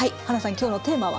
今日のテーマは？